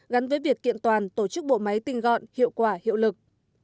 gắn với việc kiện toàn tổ chức bộ máy tinh gọn hiệu quả hiệu lực